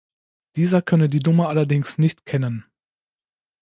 Dieser könne die Nummer allerdings nicht kennen.